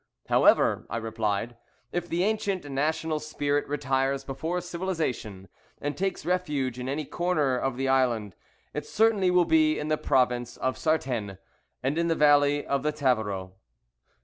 "However," I replied, "if the ancient national spirit retires before civilization and takes refuge in any corner of the island, it certainly will be in the province of Sartène, and in the valley of the Tavaro."